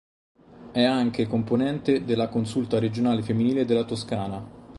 È anche componente della Consulta regionale femminile della Toscana.